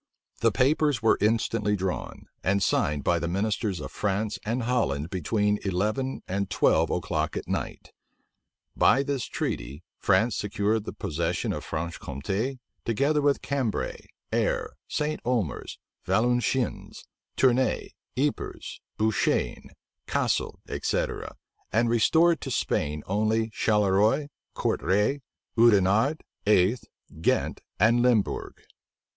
The papers were instantly drawn, and signed by the ministers of France and Holland between eleven and twelve o'clock at night. By this treaty, France secured the possession of Franche Compte, together with Cambray, Aire, St. Omers, Valenciennes, Tournay, Ypres, Bouchaine, Cassel, etc., and restored to Spain only Charleroi, Courtrai, Oudenard, Aeth, Ghent, and Limbourg.